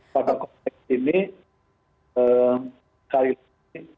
pada konteks ini